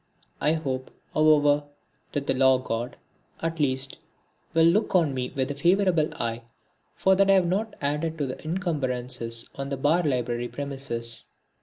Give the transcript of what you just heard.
I hope, however, that the Law god, at least, will look on me with a favourable eye for that I have not added to the encumbrances on the Bar library premises.